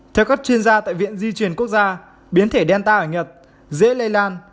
theo các chuyên gia tại viện di chuyển quốc gia biến thể delta ở nhật dễ lây lan